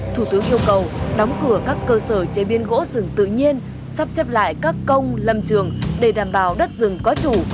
thủ tướng yêu cầu đóng cửa các cơ sở chế biến gỗ rừng tự nhiên sắp xếp lại các công lâm trường để đảm bảo đất rừng có chủ